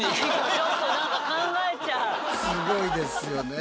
すごいですよね。